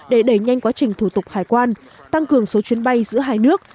để đẩy nhanh quá trình thủ tục hải quan tăng cường số chuyến bay giữa hai nước